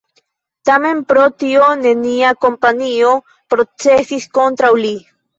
Tamen pro tio nenia kompanio procesis kontraŭ li.